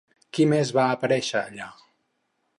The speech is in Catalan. Qui més va aparèixer allà?